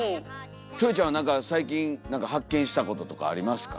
キョエちゃんは何か最近何か発見したこととかありますか？